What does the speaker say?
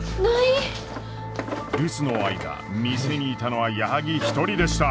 留守の間店にいたのは矢作一人でした。